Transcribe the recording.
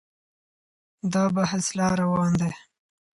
دا بحث لا روان دی.